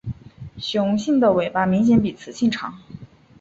雄性的尾巴明显比雌性长。